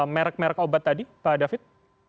merek merek obat tadi pak david